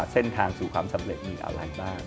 เส้นทางสู่ความสำเร็จมีอะไรบ้าง